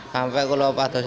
sampai kalau pada sih